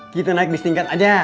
kita naik di setingkat aja